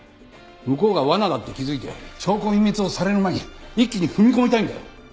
向こうが罠だって気づいて証拠隠滅をされる前に一気に踏み込みたいんだよ。